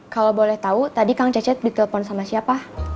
kalau boleh tahu tadi kang cecep ditelepon sama siapa